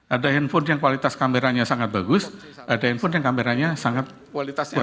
ada handphone yang kualitas kameranya sangat bagus ada handphone yang kameranya sangat kualitas bagus